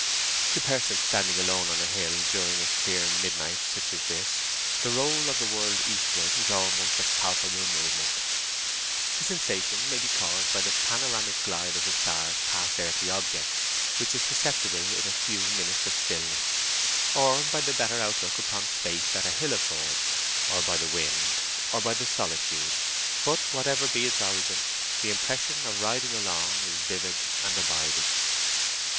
To persons standing alone on a hill during a clear midnight such as this, the roll of the world eastward is almost a palpable movement. The sensation may be caused by the panoramic glide of the stars past earthly objects, which is perceptible in a few minutes of stillness, or by the better outlook upon space that a hill affords, or by the wind, or by the solitude; but whatever be its origin, the impression of riding along is vivid and abiding.